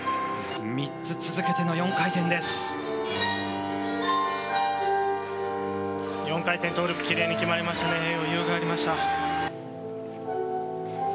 ３つ続けての４回転です。